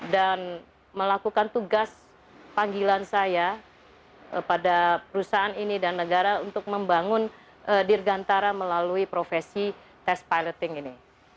dan melakukan tugas panggilan saya pada perusahaan ini dan negara untuk membangun dirgantara melalui profesi test piloting ini